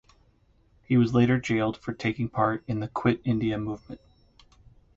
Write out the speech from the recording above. He was later jailed for taking part in the Quit India Movement.